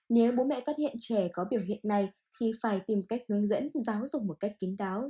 nếu bố mẹ phát hiện trẻ có biểu hiện này thì phải tìm cách hướng dẫn giáo dục một cách kính đáo